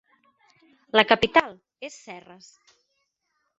La capital és Serres.